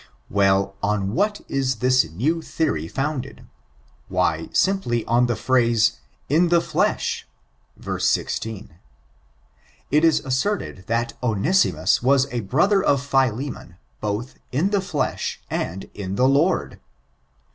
Well, on what is this new theory founded? Why, simply on the phrase, in the Jlesh, verse 16. It is asserted that Onesimus was a brother of Philemon, both '* in the flesh and in the Lord."